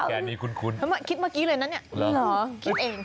คิดเอง